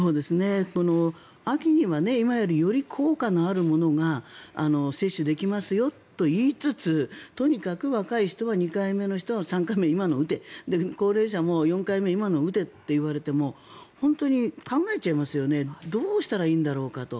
この秋には今よりより効果のあるものが接種できますよと言いつつとにかく若い人は２回目の人は３回目の今のを打て高齢者も４回目の今のを打てと言われても本当に考えちゃいますよねどうしたらいいんだろうかと。